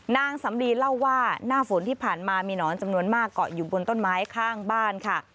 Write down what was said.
นางสำลีเล่าว่าหน้าฝนที่ผ่านมามีหนอนจำนวนมากเกาะอยู่บนต้นไม้ข้างบ้านค่ะ